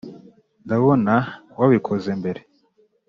ndabona wabikoze mbere.